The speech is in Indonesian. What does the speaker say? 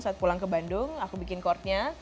saat pulang ke bandung aku bikin courtnya